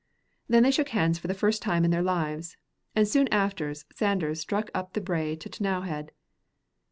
Then they shook hands for the first time in their lives; and soon afterward Sanders struck up the brae to T'nowhead.